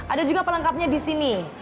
ada juga pelengkapnya di sini